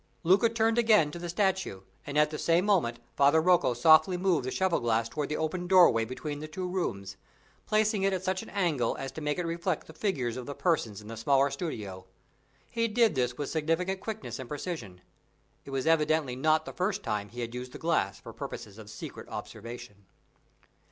Luca turned again to the statue; and, at the same moment, Father Rocco softly moved the cheval glass toward the open doorway between the two rooms, placing it at such an angle as to make it reflect the figures of the persons in the smaller studio. He did this with significant quickness and precision. It was evidently not the first time he had used the glass for purposes of secret observation.